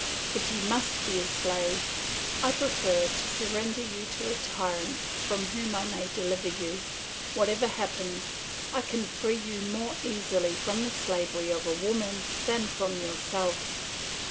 If you must be a slave, I prefer to surrender you to a tyrant from whom I may deliver you; whatever happens, I can free you more easily from the slavery of women than from yourself.